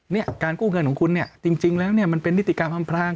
นี่การกู้เงินของคุณจริงแล้วมันเป็นนิติการพร้อมภาร์ก